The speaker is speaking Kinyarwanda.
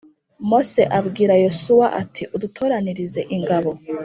Mose abwira yosuwa ati udutoranirize ingabo